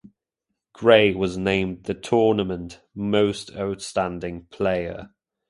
Gray was named the Tournament Most Outstanding Player.